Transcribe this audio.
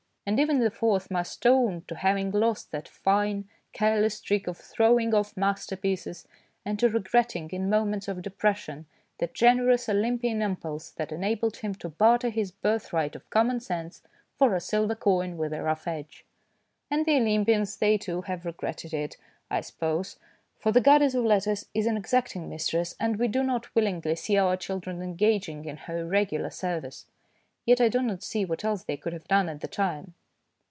And even the fourth must own to having lost that fine, careless trick of throwing off masterpieces, and to regretting, in moments of depression, the generous Olympian im pulse that enabled him to barter his birth right of common sense for a silver coin with a rough edge. And the Olympians they, too, have regretted it, I suppose, for the goddess of letters is an exacting mistress, and we do not willingly see our children engaging in her irregular service. Yet I do not see what else they could have done at the time.